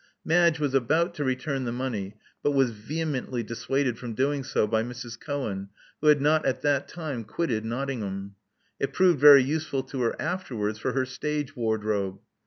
Madge was about to return the money, but was vehemently dissuaded from doing so by Mrs. Cohen, who had not at that time quitted Nottingham. It proved very useful to her afterwards for her stage wardrobe.